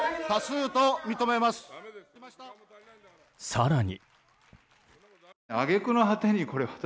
更に。